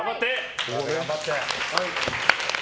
頑張って！